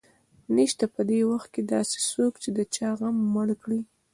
نشته په دې وخت کې داسې څوک چې د چا غم مړ کړي